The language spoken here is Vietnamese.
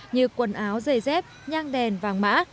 như quần áo dây dép nhang đèn vàng mã